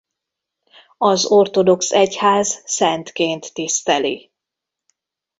Az ortodox egyház szentként tiszteli.